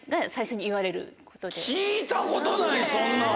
聞いたことないそんなん。